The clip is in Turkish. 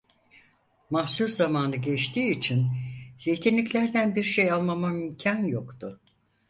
Mahsul zamanı geçtiği için zeytinliklerden bir şey almama imkân yoktu.